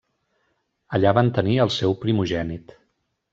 Allà van tenir al seu primogènit.